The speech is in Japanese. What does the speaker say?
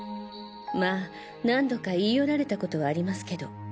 まぁ何度か言い寄られたことはありますけど。